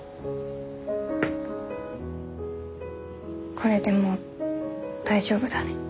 これでもう大丈夫だね。